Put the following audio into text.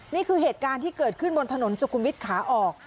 นี่คือเหตุการณ์ที่เกิดขึ้นบนถนนสุขุมวิทย์ขาออก